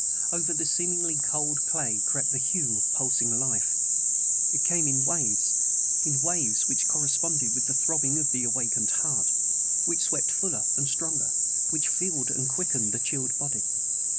Over the seemingly cold clay crept the hue of pulsing life. It came in waves in waves which corresponded with the throbbing of the awakened heart; which swept fuller and stronger; which filled and quickened the chilled body.